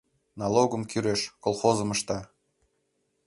Налогым кӱреш, колхозым ышта.